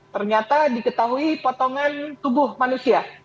ternyata diketahui potongan tubuh manusia